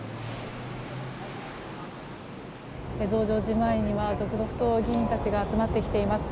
増上寺前には続々と議員たちが集まってきています。